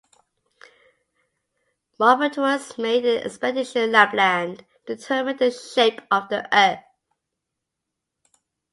Maupertuis made an expedition to Lapland to determine the shape of the Earth.